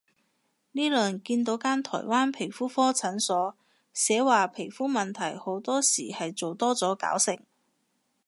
呢輪見到間台灣皮膚科診所，寫話皮膚問題好多時係做多咗搞成